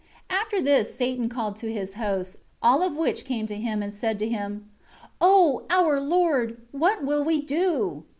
1 After this Satan called to his hosts, all of which came to him, and said to him: 2 "O, our lord, what will you do?"